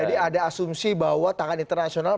jadi ada asumsi bahwa tangan internasional